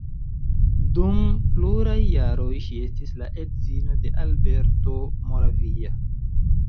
Dum pluraj jaroj ŝi estis la edzino de Alberto Moravia.